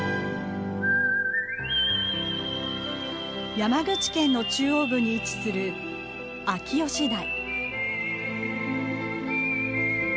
山口県の中央部に位置する秋吉台。